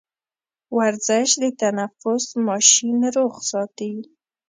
ورزش د تنفس ماشين روغ ساتي.